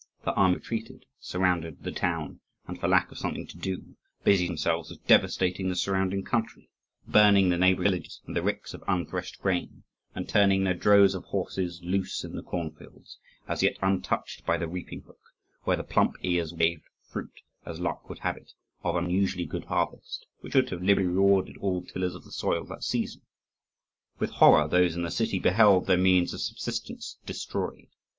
The army retreated, surrounded the town, and, for lack of something to do, busied themselves with devastating the surrounding country, burning the neighbouring villages and the ricks of unthreshed grain, and turning their droves of horses loose in the cornfields, as yet untouched by the reaping hook, where the plump ears waved, fruit, as luck would have it, of an unusually good harvest which should have liberally rewarded all tillers of the soil that season. With horror those in the city beheld their means of subsistence destroyed.